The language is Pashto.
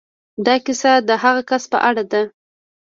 دا کيسه د هغه کس په اړه ده.